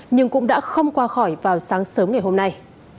nhưng cũng đã không qua khỏi vào sáng sớm ngày hôm nay